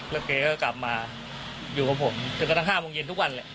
แล้วเขาก็กลับมาอยู่กับผมถึงละ๕โมงเย็นทุกวันแหละ